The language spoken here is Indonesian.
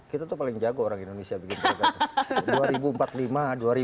kita tuh paling jago orang indonesia bikin program